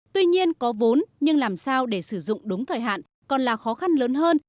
tuy nhiên có vốn nhưng làm sao để sử dụng đúng thời hạn còn là khó khăn lớn hơn